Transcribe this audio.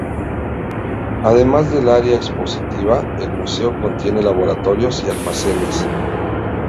Además del área expositiva, el museo contiene laboratorios y almacenes.